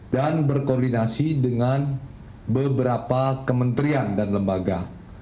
dan berkoordinasi dengan beberapa kementerian dan lembaga